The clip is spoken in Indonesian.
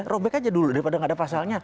robek aja dulu daripada nggak ada pasalnya